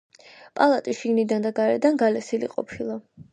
პალატი შიგნიდან და გარედან გალესილი ყოფილა.